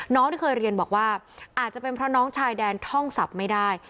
ที่เคยเรียนบอกว่าอาจจะเป็นเพราะน้องชายแดนท่องสับไม่ได้